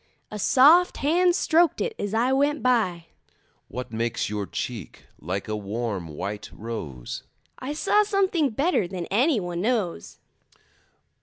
A soft hand stroked it as I went by. What makes your cheek like a warm white rose? I saw something better than any one knows.